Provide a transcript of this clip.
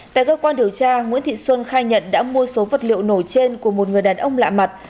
tại cơ quan điều tra nguyễn thị xuân khai nhận đã mua số vật liệu nổ trên của một người đàn ông lạ mặt